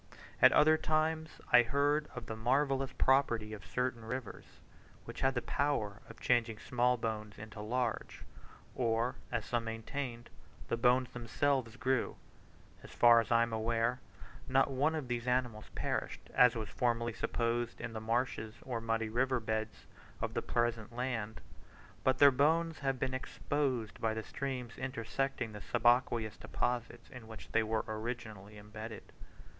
At other times I heard of the marvellous property of certain rivers, which had the power of changing small bones into large; or, as some maintained, the bones themselves grew. As far as I am aware, not one of these animals perished, as was formerly supposed, in the marshes or muddy river beds of the present land, but their bones have been exposed by the streams intersecting the subaqueous deposit in which they were originally embedded.